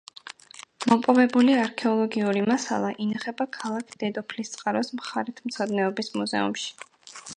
მოპოვებული არქეოლოგიური მასალა ინახება ქალაქ დედოფლისწყაროს მხარეთმცოდნეობის მუზეუმში.